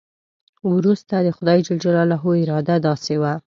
وروسته د خدای جل جلاله اراده داسې وه.